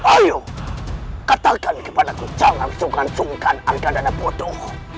ayo katakan kepadaku jangan sungkan sungkan argandana potoh